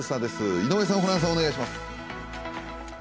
井上さん、ホランさん、お願いします。